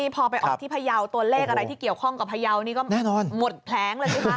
พอไปออกที่พยาวตัวเลขอะไรที่เกี่ยวข้องกับพยาวนี่ก็หมดแผลงเลยสิคะ